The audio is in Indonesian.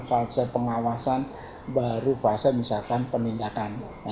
fase pengawasan baru fase misalkan penindakan